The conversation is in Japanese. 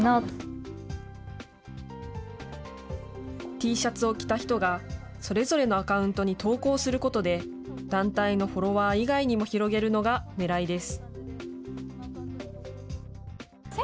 Ｔシャツを着た人が、それぞれのアカウントに投稿することで、団体のフォロワー以外にも広げるのがねらいです。